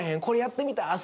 これやってみた。